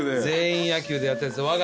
全員野球でやってんです。